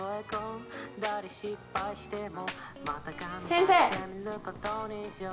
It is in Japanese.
先生！